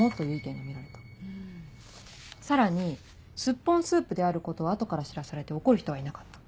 さらにスッポンスープであることを後から知らされて怒る人はいなかった。